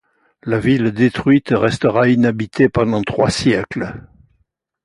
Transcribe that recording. La ville détruite, restera inhabitée pendant trois siècles.